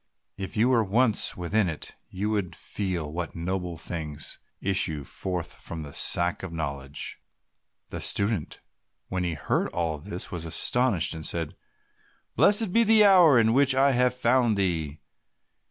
If you were once within it you would feel what noble things issue forth from the Sack of Knowledge." The student, when he heard all this, was astonished, and said, "Blessed be the hour in which I have found thee!